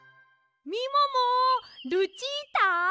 ・みももルチータ！